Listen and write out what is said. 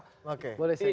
boleh saya komentar